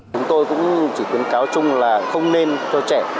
chúng tôi cũng chỉ khuyến cáo chung là không nên cho trẻ